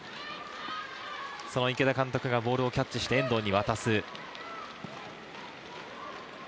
池田監督がボールをキャッチして遠藤に渡す。